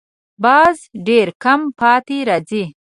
باز ډېر کم پاتې راځي